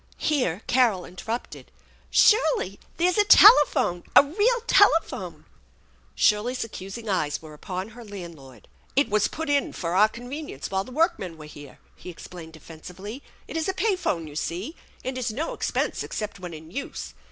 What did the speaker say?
Here Carol interrupted. " Shirley ! There's a telephone ! A real telephone !" Shirley's accusing eyes were upon her landlord. "It was put in for our convenience while the workmen were here/' he explained defensively. "It is a pay phone, you see, and is no expense except when in use.